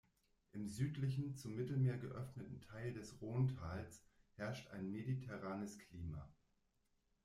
Im südlichen, zum Mittelmeer geöffneten Teil des Rhônetals herrscht ein mediterranes Klima.